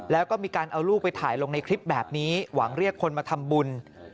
แล้วก็มีการเอาลูกไปถ่ายลงในคลิปแบบนี้หวังเรียกคนมาทำบุญ